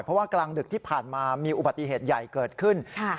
เพราะว่ากลางดึกที่ผ่านมามีอุบัติเหตุใหญ่เกิดขึ้น